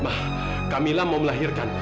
mbak camilla mau melahirkan